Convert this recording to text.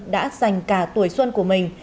đã dành cả tuổi xuân của mình